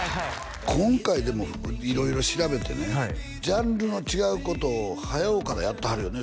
今回でも色々調べてねジャンルの違うことを早うからやってはるよね